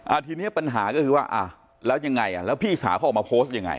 ทีเนี้ยปัญหาก็คือว่าอ่ะแล้วยังไงอ่ะแล้วพี่สาวเขาออกมาโพสต์ยังไง